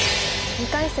２回戦